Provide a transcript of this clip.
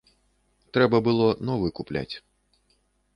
Трэба было новы купляць.